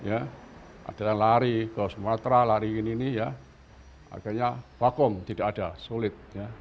ada yang lari ke sumatera lari ini ya akhirnya vakum tidak ada sulit